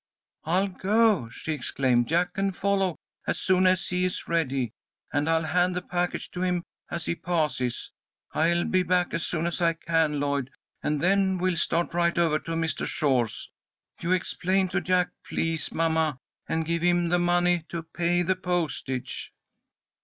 "I'll go," she exclaimed. "Jack can follow as soon as he is ready, and I'll hand the package to him as he passes. I'll be back as soon as I can, Lloyd, and then we'll start right over to Mr. Shaw's. You explain to Jack, please, mamma, and give him the money to pay the postage."